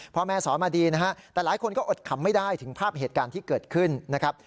พ่อแม่สอนมาดีนะฮะแต่หลายคนก็อดขำไม่ได้ถึงภาพเหตุการณ์ที่เกิดขึ้นนะครับ